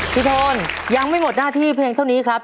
โทนยังไม่หมดหน้าที่เพียงเท่านี้ครับ